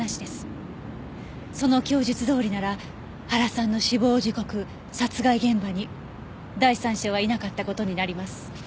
その供述どおりなら原さんの死亡時刻殺害現場に第三者はいなかった事になります。